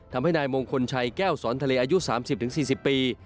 ทำให้นายมงคลชัยแก้วสอนทะเลอายุ๓๐๔๐ปี